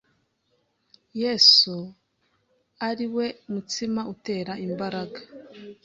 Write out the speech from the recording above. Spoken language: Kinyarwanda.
yesu ari we mutsima utera imbaraga.